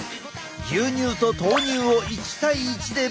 牛乳と豆乳を１対１でブレンド。